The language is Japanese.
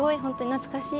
懐かしい？